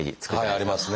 ありますね。